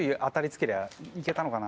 つけりゃいけたのかな。